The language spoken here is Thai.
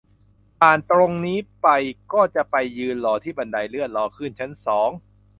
ผ่านตรงนี้ไปก็จะไปยืนรอที่บันไดเลื่อน รอขึ้นชั้นสอง